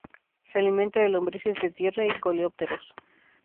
Se alimenta de lombrices de tierra y coleópteros.